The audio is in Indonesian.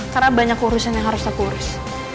karena banyak urusan yang harus aku urus